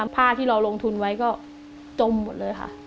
ผ้าที่เราลงทุนไว้ก็จมหมดเลยค่ะ